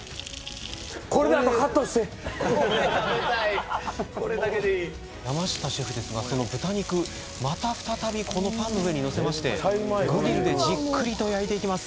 これ食べたいこれだけでいい山下シェフですがその豚肉また再びこのパンの上に載せましてグリルでじっくりと焼いていきます